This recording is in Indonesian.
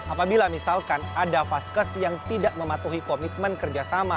apabila misalkan ada vaskes yang tidak mematuhi komitmen kerjasama